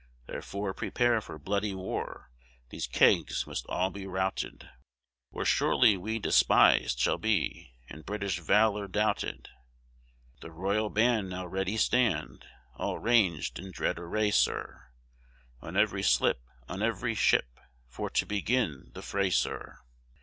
"Therefore prepare for bloody war; These kegs must all be routed; Or surely we dispis'd shall be, And British valor doubted." The royal band now ready stand, All ranged in dread array, Sir, On every slip, on every ship, For to begin the fray, Sir.